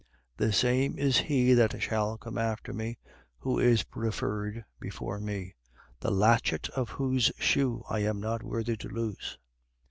1:27. The same is he that shall come after me, who is preferred before me: the latchet of whose shoe I am not worthy to loose.